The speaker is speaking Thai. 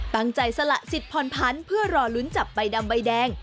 สละสิทธิ์ผ่อนพันธุ์เพื่อรอลุ้นจับใบดำใบแดง